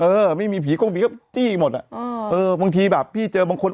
เออไม่มีผีกงผีก็จี้หมดอ่ะเออบางทีแบบพี่เจอบางคน